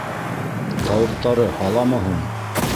- Тауыҡтары һаламы һуң?